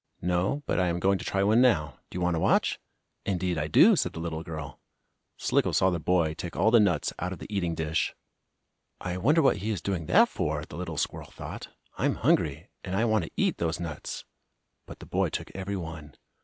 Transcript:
"No, but I am going to try one now. Do you want to watch?" "Indeed I do!" said the little girl. Slicko saw the boy take all the nuts out of the eating dish. "I wonder what he is doing that for," the little squirrel thought. "I'm hungry, and I want to eat those nuts." But the boy took every one.